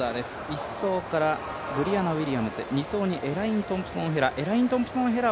１走からブリアナ・ウィリアムズ、２走にエライン・トンプソンヘラ。